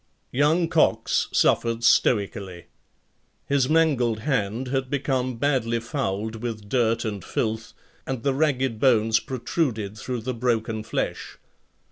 Young Cox suffered stoically. His mangled hand had become badly fouled with dirt and filth, and the ragged bones protruded through the broken flesh.